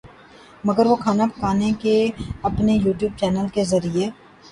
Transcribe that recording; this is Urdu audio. مگر وہ کھانا پکانے کے اپنے یو ٹیوب چینل کے ذریعے